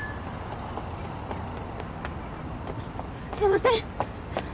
すいません